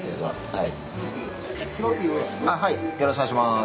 あっはいよろしくお願いします。